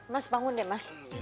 mas bangun deh mas